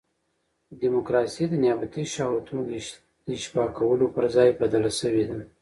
ډیموکراسي د نیابتي شهوتونو د اشباع کېدو پر ځای بدله شوې ده.